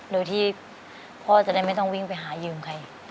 โดยที่พ่อจะได้ไม่ต้องวิ่งไปหายืมใคร